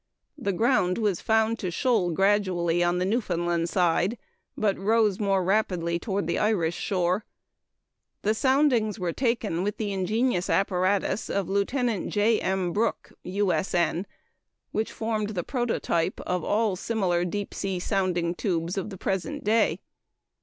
The ground was found to shoal gradually on the Newfoundland side, but rose more rapidly toward the Irish shore. The soundings were taken with the ingenious apparatus of Lieut. J. M. Brooke, U.S.N. (Fig. 2), which formed the prototype of all similar deep sea sounding tubes of the present day.